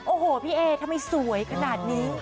โอ้โหพี่เอทำไมสวยขนาดนี้